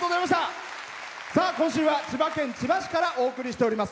今週は千葉県千葉市からお送りしております。